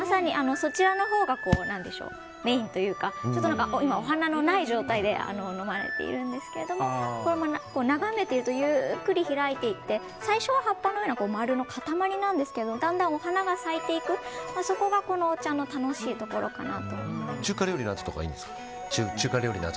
そちらのほうがメインというか今、お花のない状態で飲まれているんですけど眺めているとゆっくり開いていって最初は葉っぱのような丸の塊なんですがだんだんお花が咲いていくここがこのお茶の中華料理のあととかにいいんですか？